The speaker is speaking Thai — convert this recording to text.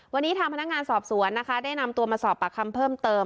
วันนี้ทางพนักงานสอบสวนนะคะได้นำตัวมาสอบปากคำเพิ่มเติม